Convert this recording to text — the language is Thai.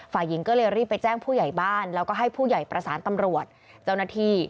ฝ่ายหญิงก็เลยรีบไปแจ้งผู้ใหญ่บ้านแล้วก็ให้ผู้ใหญ่ประสานตำรวจเจ้าหน้าที่